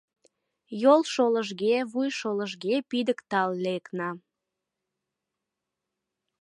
Йолшолыжге, вуйшолыжге пидыктал лекна.